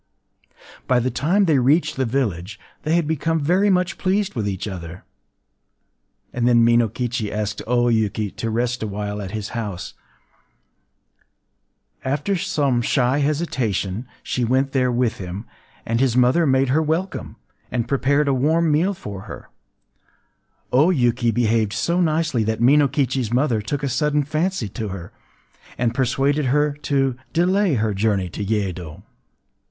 ” By the time they reached the village, they had become very much pleased with each other; and then Minokichi asked O Yuki to rest awhile at his house. After some shy hesitation, she went there with him; and his mother made her welcome, and prepared a warm meal for her. O Yuki behaved so nicely that Minokichi’s mother took a sudden fancy to her, and persuaded her to delay her journey to Yedo.